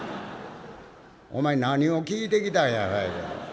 「お前何を聞いてきたんや？」。